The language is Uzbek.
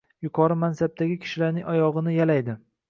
Yuqori mansabdagi kishilarning oyog’ini yalaydi.